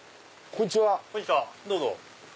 こんにちはどうぞ。